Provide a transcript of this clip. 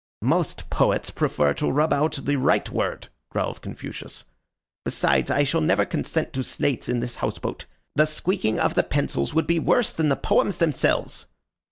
"Most poets prefer to rub out the right word," growled Confucius. "Besides, I shall never consent to slates in this house boat. The squeaking of the pencils would be worse than the poems themselves."